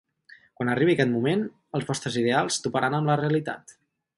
Quan arribi aquest moment, els vostres ideals toparan amb la realitat.